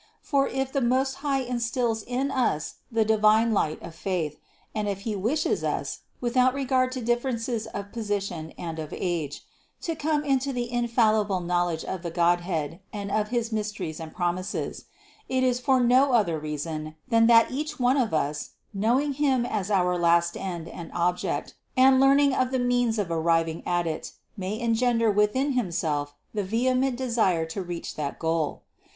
For if the Most High instills in us the divine light of faith, and if He wishes us, without regard to differences of position and of age, to come into the infallible knowledge of the Godhead and of his mysteries and promises, it is for no other reason than that each one of us, knowing Him as our last end and object, and learning of the means of arriving at it, may engender within himself the vehement desire to reach that goal.